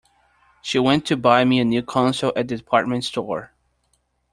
She went to buy me a new console at the department store.